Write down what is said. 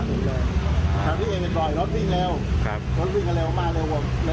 แถวที่ไอ้มันบ่อยรถวิ่งเร็วครับรถวิ่งกันเร็วมากเร็วกว่า